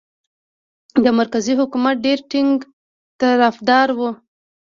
د مرکزي حکومت ډېر ټینګ طرفدار وو.